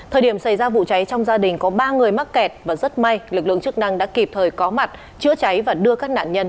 thời điểm xảy ra vụ cháy trong gia đình có ba người mắc kẹt và rất may lực lượng chức năng đã kịp thời có mặt chữa cháy và đưa các nạn nhân